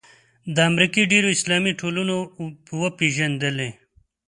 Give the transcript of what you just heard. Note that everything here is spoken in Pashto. د امریکې ډېرو اسلامي ټولنو وپېژندلې.